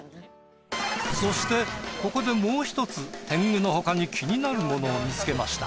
そしてここでもう１つ天狗の他に気になるものを見つけました。